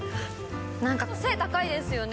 なんか背高いですよね。